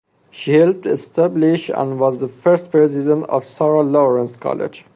She helped establish and was the first president of Sarah Lawrence College.